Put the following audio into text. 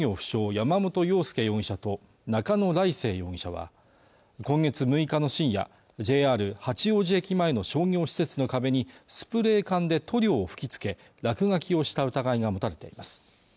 山本陽介容疑者と中野礼誠容疑者は今月６日の深夜ＪＲ八王子駅前の商業施設の壁にスプレー缶で塗料を吹きつけ落書きをした疑いが持たれています